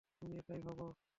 তুমিও এটাই ভাবো?